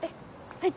はい。